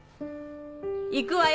行くわよ。